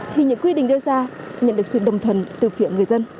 thì những quy định đưa ra nhận được sự đồng thuần từ phiện người dân